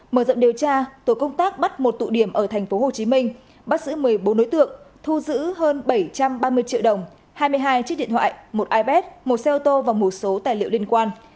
mở rộng điều tra tổ công tác bắt một tụ điểm ở tp hcm bắt giữ một mươi bốn đối tượng thu giữ hơn bảy trăm ba mươi triệu đồng hai mươi hai chiếc điện thoại một ipad một xe ô tô và một số tài liệu liên quan